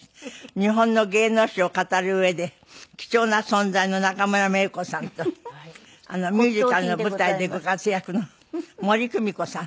日本の芸能史を語る上で貴重な存在の中村メイコさんとミュージカルの舞台でご活躍の森公美子さん。